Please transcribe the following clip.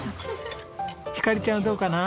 ひかりちゃんはどうかな？